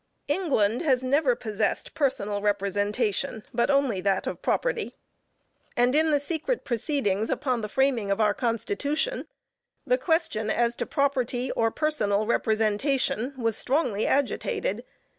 England has never possessed personal representation, but only that of property; and in the secret proceedings upon the framing of our Constitution, the question as to property, or personal representation was strongly agitated.